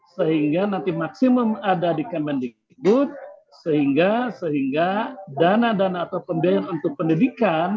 sehingga nanti maksimum ada di kemendikbud sehingga dana dana atau pembiayaan untuk pendidikan